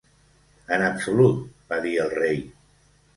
"En absolut", va dir el rei.